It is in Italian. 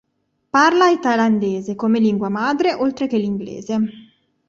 Parla il thailandese come lingua madre, oltre che l'inglese.